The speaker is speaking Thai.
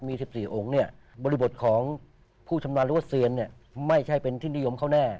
มี๑๔องค์เนี่ยบริบทของผู้ชำนาญหรือว่าเซียนเนี่ยไม่ใช่เป็นที่นิยมเขาแน่